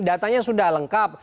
datanya sudah lengkap